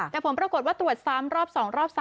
แต่ผลปรากฏว่าตรวจซ้ำรอบ๒รอบ๓